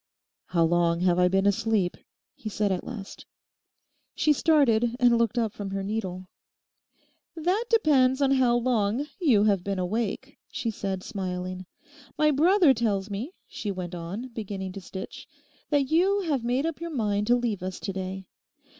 'How long have I been asleep?' he said at last. She started and looked up from her needle. 'That depends on how long you have been awake,' she said, smiling. 'My brother tells me,' she went on, beginning to stitch, 'that you have made up your mind to leave us to day.